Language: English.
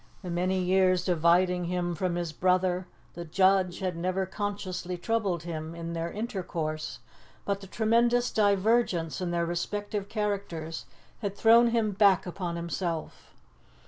The many years dividing him from his brother, the judge, had never consciously troubled him in their intercourse, but the tremendous divergence in their respective characters had thrown him back upon himself.